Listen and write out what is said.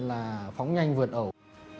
là phóng nhanh vượt ẩu